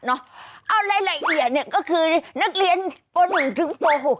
เอารายละเอียดเนี่ยก็คือนักเรียนป๑ถึงป๖